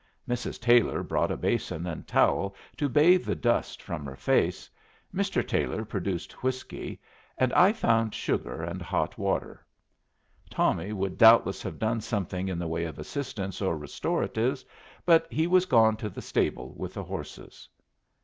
Mrs. Taylor brought a basin and towel to bathe the dust from her face, Mr. Taylor produced whiskey, and I found sugar and hot water. Tommy would doubtless have done something in the way of assistance or restoratives, but he was gone to the stable with the horses.